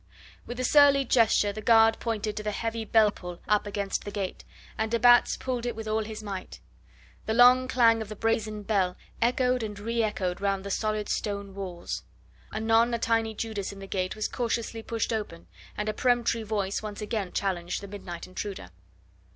With a surly gesture the guard pointed to the heavy bell pull up against the gate, and de Batz pulled it with all his might. The long clang of the brazen bell echoed and re echoed round the solid stone walls. Anon a tiny judas in the gate was cautiously pushed open, and a peremptory voice once again challenged the midnight intruder.